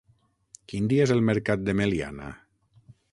Quin dia és el mercat de Meliana?